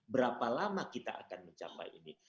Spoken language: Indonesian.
berapa lama kita akan mencapai ini